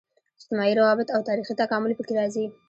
اجتماعي روابط او تاریخي تکامل یې په کې راځي.